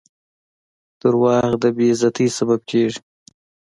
• دروغ د بې عزتۍ سبب کیږي.